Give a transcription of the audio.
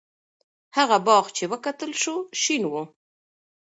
هغه باغ چې وکتل شو، شین و.